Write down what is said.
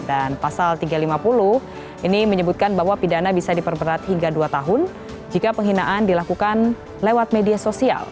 dan pasal tiga ratus lima puluh ini menyebutkan bahwa pidana bisa diperberat hingga dua tahun jika penghinaan dilakukan lewat media sosial